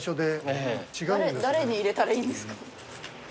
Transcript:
誰に入れたらいいんですか？